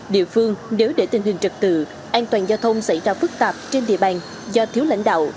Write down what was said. địa phương nếu để tình hình trật tự an toàn giao thông xảy ra phức tạp trên địa bàn do thiếu lãnh đạo